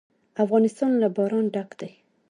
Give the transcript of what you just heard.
افغانستان له باران ډک دی.